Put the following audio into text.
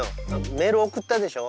メール送ったでしょ？